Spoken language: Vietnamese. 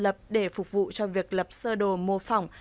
lập để phục vụ cho việc lập sơ đồ mô phỏng